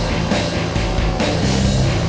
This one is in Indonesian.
kita gak berpisah